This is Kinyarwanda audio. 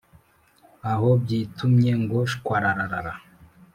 aho byitumye ngo shwararara